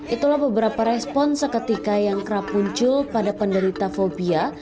itulah beberapa respon seketika yang kerap muncul pada penderita fobia